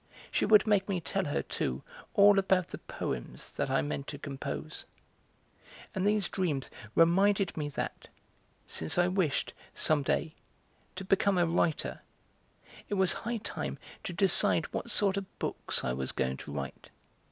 She would make me tell her, too, all about the poems that I meant to compose. And these dreams reminded me that, since I wished, some day, to become a writer, it was high time to decide what sort of books I was going to write.